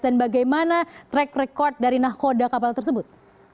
dan bagaimana track record dari nahkoda kapal tersebut